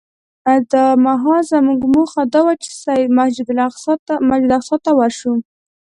دا مهال زموږ موخه دا وه چې مسجد اقصی ته ورشو.